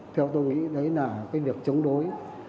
theo tôi nghĩ đấy là cái việc chống đối